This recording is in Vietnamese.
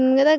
người ta có